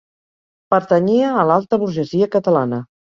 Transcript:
Pertanyia a l'alta burgesia catalana.